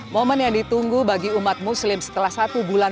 momen yang ditunggu bagi umat muslim setelah satu bulan